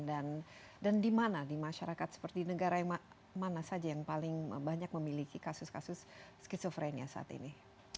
dan di mana di masyarakat seperti negara yang mana saja yang paling banyak memiliki kasus kasus schizophrenia saat ini